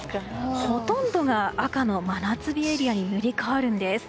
ほとんどが赤の真夏日エリアに塗り替わるんです。